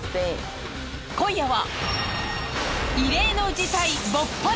今夜は。